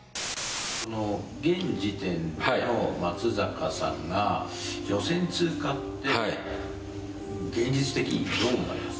現時点の松坂さんが予選通過って現実的にどう思われます？